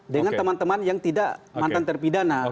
dengan teman teman yang tidak mantan terpidana